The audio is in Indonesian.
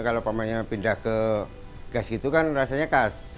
kalau pindah ke gas itu kan rasanya khas